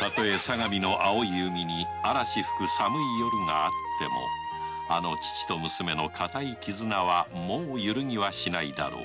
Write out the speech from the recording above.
たとえ相模の青い海にアラシ吹く寒い夜があっても父と娘の固いキズナはもうゆるぎはしないだろう